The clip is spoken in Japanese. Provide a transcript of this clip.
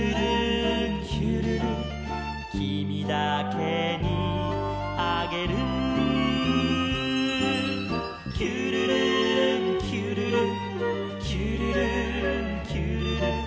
「きみだけにあげる」「きゅるるんきゅるるきゅるるんきゅるる」